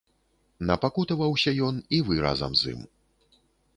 Напакутаваўся ён і вы разам з ім.